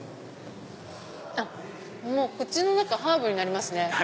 もう口の中ハーブになりますね。